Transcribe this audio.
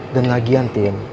dan lagian tin